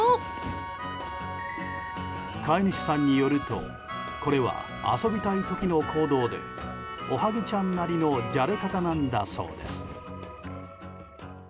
飼い主さんによるとこれは遊びたい時の行動でおはぎちゃんなりのじゃれ方なんだそうです。